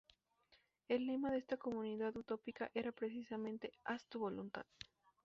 El lema de esta comunidad utópica era precisamente: "Haz tu voluntad".